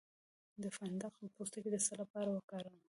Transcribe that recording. د فندق پوستکی د څه لپاره وکاروم؟